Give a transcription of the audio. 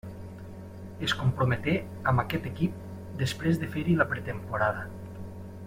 Es comprometé amb aquest equip després de fer-hi la pretemporada.